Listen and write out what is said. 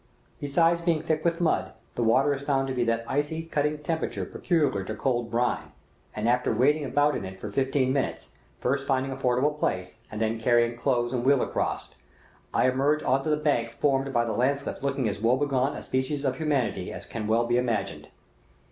Besides being thick with mud, the water is found to be of that icy, cutting temperature peculiar to cold brine, and after wading about in it for fifteen minutes, first finding a fordable place, and then carrying clothes and wheel across, I emerge on to the bank formed by the land slip looking as woebegone a specimen of humanity as can well be imagined.